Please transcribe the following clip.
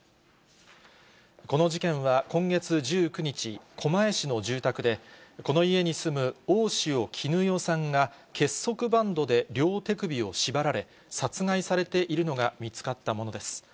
この事件は今月１９日、狛江市の住宅で、この家に住む大塩衣与さんが結束バンドで両手首を縛られ、殺害されているのが見つかったものです。